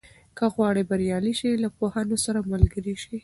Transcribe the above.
که غواړې بریالی شې، له پوهانو سره ملګری شه.